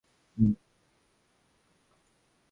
এক বার দেখাও যা এক শ বার দেখাও তা।